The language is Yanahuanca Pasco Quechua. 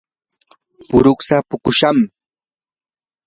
puruksa puqushnam.